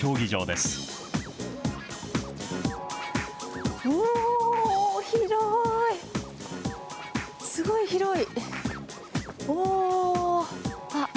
すごい広い。